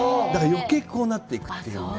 だから余計こうなっていくという。